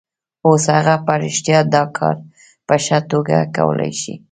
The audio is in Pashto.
اوس هغه په رښتیا دا کار په ښه توګه کولای شي